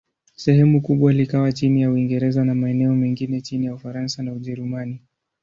Sehemu kubwa likawa chini ya Uingereza, na maeneo mengine chini ya Ufaransa na Ujerumani.